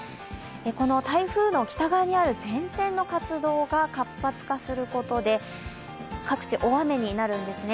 この台風の北側にある前線の活動が活発化することで各地、大雨になるんですね。